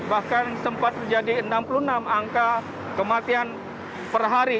bahkan sempat terjadi enam puluh enam angka kematian per hari